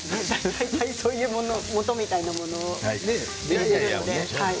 大体そういう、もとみたいなものをやっているので。